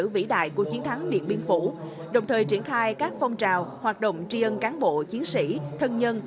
vĩ đại của chiến thắng điện biên phủ đồng thời triển khai các phong trào hoạt động tri ân cán bộ chiến sĩ thân nhân